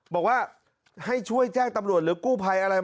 บอกว่าให้ช่วยแจ้งตำรวจหรือกู้ภัยอะไร